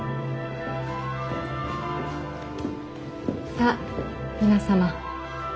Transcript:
さあ皆様。